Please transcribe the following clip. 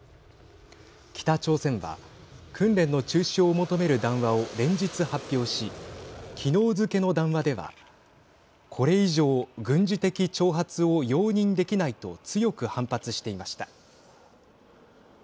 北朝鮮は訓練の中止を求める談話を連日発表し昨日付けの談話ではこれ以上、軍事的挑発を容認できないと強く反発していました。